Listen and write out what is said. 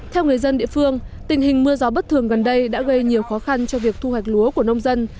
theo người dân địa phương tình hình mưa gió bất thường gần đây đã gây nhiều khó khăn cho việc thu hoạch lúa của nông dân